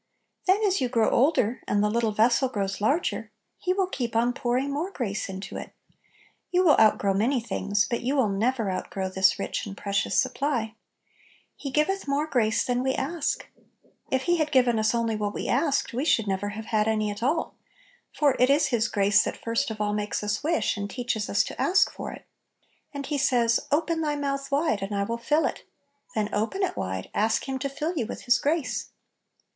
Then, as you grow older, and the lit tle vessel grows larger, He will keep on pouring more grace into it You will outgrow many things, but you will never outgrow this rich and precious supply. Little Pillows. 75 " He giveth more grace " than we ask. If He Lad given us only what we asked, we should never have had any at all, for it is His grace that first of all make us wish, and teaches us to ask for it And He says, " Open thy mouth wide, and I will fill it." Then open it wide I ask Him to fill you with His grace.